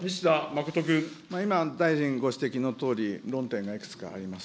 今、大臣ご指摘のとおり、論点がいくつかあります。